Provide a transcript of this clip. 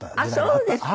あっそうですか。